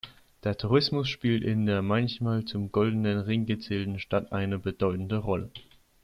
Der Tourismus spielt in der manchmal zum Goldenen Ring gezählten Stadt eine bedeutende Rolle.